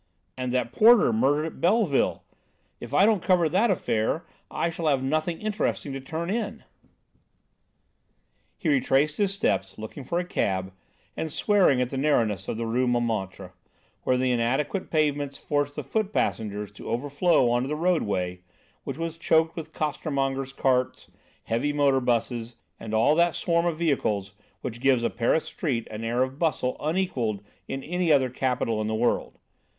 "And that porter murdered at Belleville!... If I don't cover that affair I shall have nothing interesting to turn in...." He retraced his steps, looking for a cab and swearing at the narrowness of the Rue Montmartre, where the inadequate pavements forced the foot passengers to overflow on to the roadway, which was choked with costermongers' carts, heavy motor buses, and all that swarm of vehicles which gives a Paris street an air of bustle unequalled in any other capital in the world.